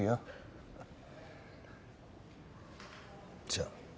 じゃあ。